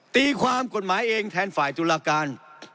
ตีความกฎหมายเองแทนฝ่ายตุลาการ